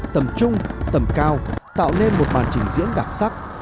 tầm trung tầm cao tạo nên một màn trình diễn đặc sắc